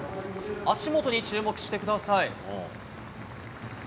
足元に注目してください。